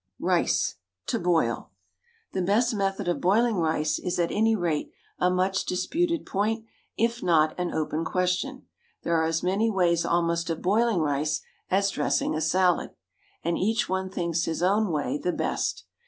RICE, TO BOIL. The best method of boiling rice is, at any rate, a much disputed point, if not an open question. There are as many ways almost of boiling rice as dressing a salad, and each one thinks his own way the best.